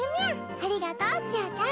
ありがとうちあちゃん！